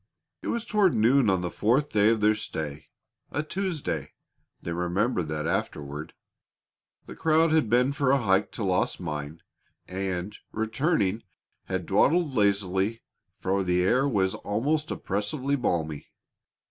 It was toward noon on the fourth day of their stay a Tuesday; they remembered that afterward. The crowd had been for a hike to Lost Mine, and, returning, had dawdled lazily, for the air was almost oppressively balmy.